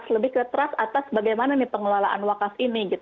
lebih ke trust atas bagaimana pengelolaan wakaf ini